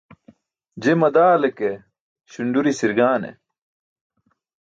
Je madale ke, śunduri sirgaane.